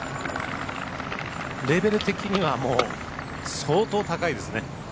レベル的には相当高いですね。